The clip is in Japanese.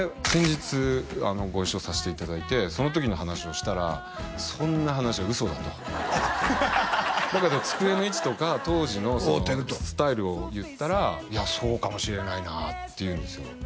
先日ご一緒させていただいてその時の話をしたらそんな話は嘘だとだけど机の位置とか当時のスタイルを言ったらいやそうかもしれないなって言うんですよ